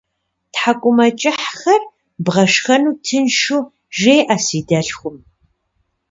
Тхьэкӏумэкӏыхьхэр бгъэшхэну тыншу жеӏэ си дэлъхум.